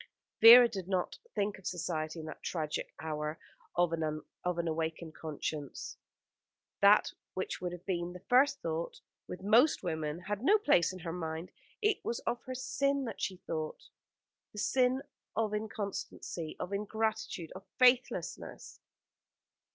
Vera did not think of Society in that tragic hour of an awakened conscience. That which would have been the first thought with most women had no place in her mind. It was of her sin that she thought the sin of inconstancy, of ingratitude, of faithlessness.